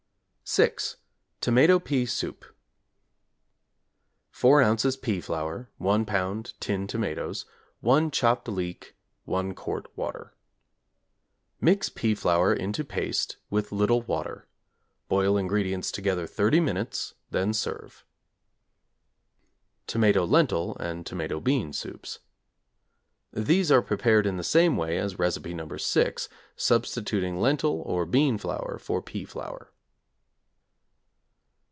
=6. Tomato Pea Soup= 4 ozs. pea flour, 1 lb. tin tomatoes, 1 chopped leek, 1 quart water. Mix pea flour into paste with little water. Boil ingredients together 30 minutes, then serve. =Tomato Lentil and Tomato Bean Soups= These are prepared in the same way as Recipe No. 6, substituting lentil , or bean flour for pea flour.